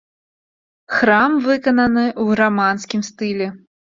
Храм выкананы ў раманскім стылі.